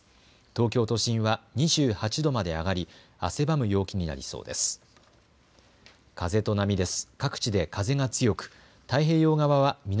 東京都心は２８度まで上がり汗ばむ陽気になりそうです。